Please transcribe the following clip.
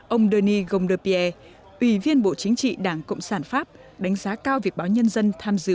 ông doni gondepierre ủy viên bộ chính trị đảng cộng sản pháp đánh giá cao việc báo nhân dân tham dự